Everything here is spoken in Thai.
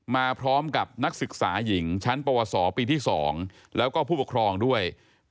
มาพร้อมกับนักศึกษาหญิงชั้นปวสปีที่๒แล้วก็ผู้ปกครองด้วย